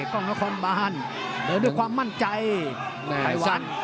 กล้องนครบานเดินด้วยความมั่นใจแม่ภัยวัน